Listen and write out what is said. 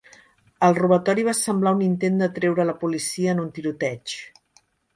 El robatori va semblar un intent d'atreure a la policia en un tiroteig.